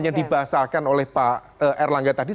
yang dibahasakan oleh pak erlangga tadi